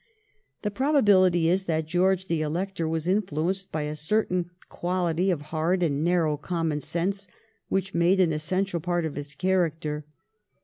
The probability is that George the Elector was in fluenced by a certain quaUty of hard and narrow common sense, which made an essential part of his character.